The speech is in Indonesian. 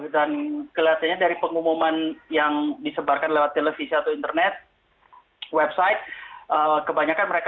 dan kelihatannya dari pengumuman yang disebarkan lewat televisi atau internet website kebanyakan mereka